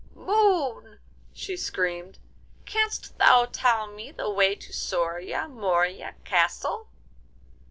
Moon!' she screamed. 'Canst thou tell me the way to Soria Moria Castle?